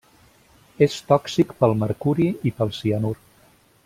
És tòxic pel mercuri i pel cianur.